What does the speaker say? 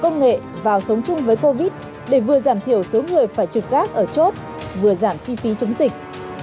công nghệ vào sống chung với covid để vừa giảm thiểu số người phải trực gác ở chốt vừa giảm chi phí chống dịch